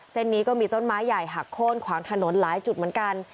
เส้นนี้ก็มีต้นไม้ใหญ่หักโค้นขวางถนนหลายจุดเหมือนกัน